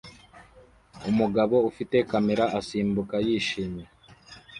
Umugabo ufite kamera asimbuka yishimye